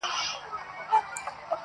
• خــو ســــمـدم.